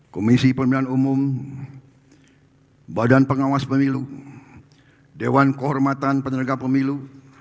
komisi pemilihan umum badan pengawas pemilu dewan kehormatan penyelenggara pemilu